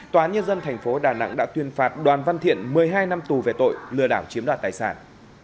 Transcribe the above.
tòa nhân dân thành phố đà nẵng đã tuyên phạt đoàn văn thiện một mươi hai năm tù về tội lừa đảo chiếm đoạt tài sản